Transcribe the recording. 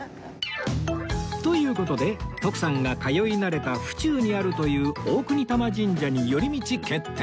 という事で徳さんが通い慣れた府中にあるという大國魂神社に寄り道決定！